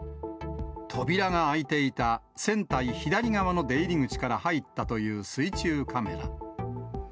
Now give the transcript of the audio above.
扉が開いていた船体左側の出入り口から入ったという水中カメラ。